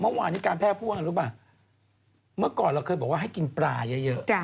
เมื่อวานนี้การแพทย์พูดว่าไงรู้ป่ะเมื่อก่อนเราเคยบอกว่าให้กินปลาเยอะ